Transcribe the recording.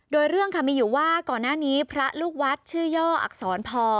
โดยเรื่องค่ะมีอยู่ว่าก่อนหน้านี้พระลูกวัดชื่อย่ออักษรพอ